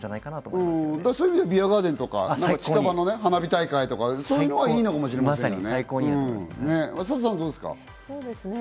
そういう意味でビアガーデンとか近場の花火大会とか、いいのかもしれませんね。